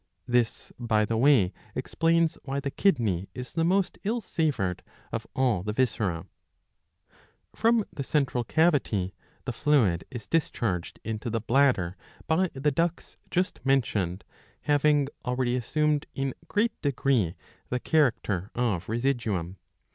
(This by the way explains why the kidney is the most ill savoured of all the viscera.) From the central cavity the fluid is discharged into the bladder by the ducts just mentioned, having already assumed in great degree the character of residuum.